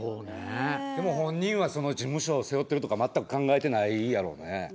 でも本人は、その事務所を背負っているとか、全く考えてないやろね。